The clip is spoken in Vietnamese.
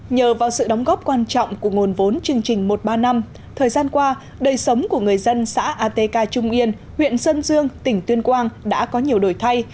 nhờ vào sự đóng góp quan trọng của nguồn vốn chương trình một ba năm thời gian qua đời sống của người dân xã atk trung yên huyện sơn dương tỉnh tuyên quang đã có nhiều đổi thay